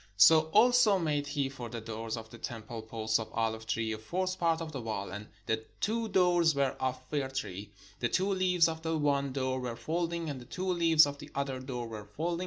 So also made he for the door of the temple posts of olive tree, a fourth part of the wall. And the two doors were of fir tree : the two leaves of the one door were folding, and the two leaves of the other door were folding.